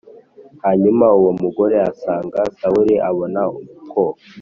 Hanyuma uwo mugore asanga Sawuli abona ko